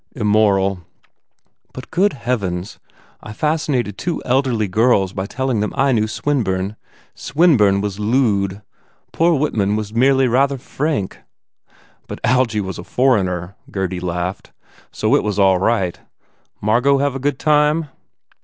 "Immoral." "But good heavens! I fascinated two eld erly girls by telling them I knew Swinburne. Swinburne was lewd. Poor Whitman was merely rather frank." "But Algie was a foreigner," Gurdy laughed, "so it was all right. Margot have a good time?"